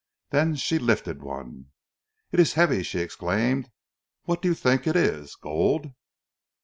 Then she lifted one. "It is heavy," she exclaimed. "What do you think it is gold?"